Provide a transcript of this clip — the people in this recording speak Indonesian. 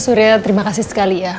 surya terima kasih sekali ya